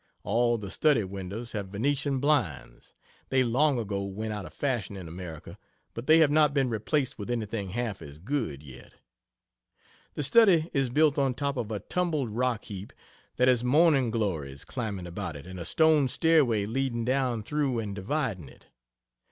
All the study windows have Venetian blinds; they long ago went out of fashion in America but they have not been replaced with anything half as good yet. The study is built on top of a tumbled rock heap that has morning glories climbing about it and a stone stairway leading down through and dividing it.